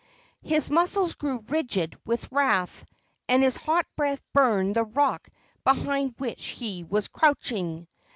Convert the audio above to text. His muscles grew rigid with wrath, and his hot breath burned the rock behind which he was crouching.